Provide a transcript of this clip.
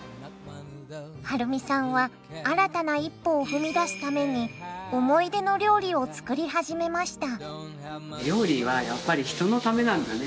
はるみさんは新たな一歩を踏み出すために思い出の料理を作り始めました。